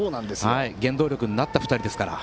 原動力になった２人ですから。